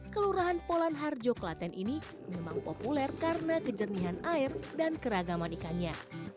kelurahan polan harjo kelaten ini memang populer karena kejernihan air dan keragaman ikannya